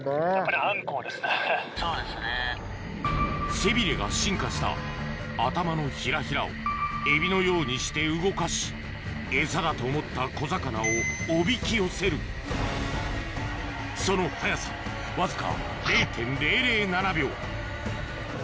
背ビレが進化した頭のヒラヒラをエビのようにして動かしエサだと思った小魚をおびき寄せるそのとてもこれも。